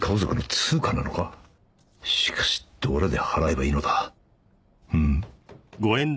しかしどれで払えばいいのだんん